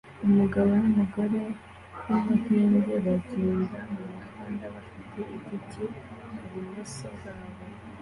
Umugabo numugore wumuhinde bagenda mumuhanda bafite igiti ibumoso bwabo